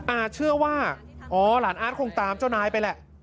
อาร์เชื่อว่าอ๋อหลานอาร์ตคงตามเจ้านายไปแหละ